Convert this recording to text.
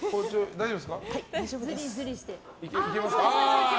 大丈夫ですか？